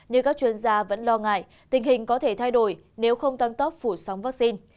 nhưng các chuyên gia vẫn lo ngại tình hình có thể thay đổi nếu không tăng tốc phủ sóng vaccine